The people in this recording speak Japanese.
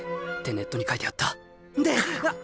ネットに書いてあったんでっ！